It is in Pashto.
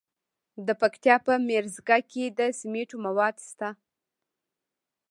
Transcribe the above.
د پکتیا په میرزکه کې د سمنټو مواد شته.